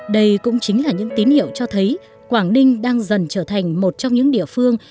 đây cũng chính là những tín hiệu cho thấy quảng ninh đang dần trở thành một trong những địa phương